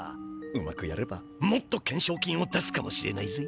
うまくやればもっと懸賞金を出すかもしれないぜ！